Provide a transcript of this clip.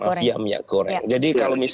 mafia minyak goreng